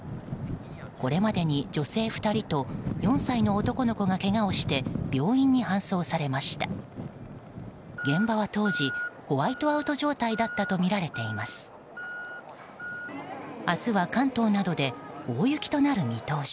これまでに女性２人と４歳の男の子がけがをして病院に搬送されました。